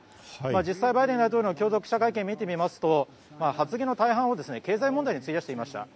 実際、バイデン大統領の共同記者会見を見てみますと発言の大半を経済問題に費やしていました。